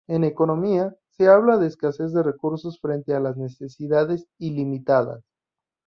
En economía, se habla de escasez de recursos frente a las necesidades ilimitadas.